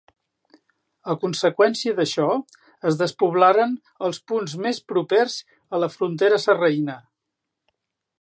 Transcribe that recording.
A conseqüència d'això es despoblaren els punts més propers a la frontera sarraïna.